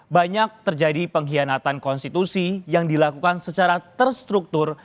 banyak terjadi pengkhianatan konstitusi yang dilakukan secara terstruktur